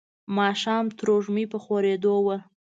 ماښام تروږمۍ په خورېدو وه.